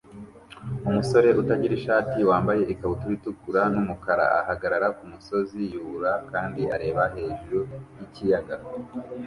Umusore utagira ishati wambaye ikabutura itukura numukara ahagarara kumasozi yubura kandi areba hejuru yikiyaga